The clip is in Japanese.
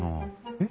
えっ？